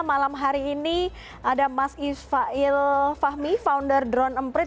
malam hari ini ada mas isfail fahmi founder drone emprit